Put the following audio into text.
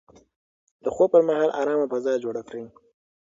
د خوب پر مهال ارامه فضا جوړه کړئ.